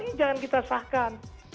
ini jangan kita sahkan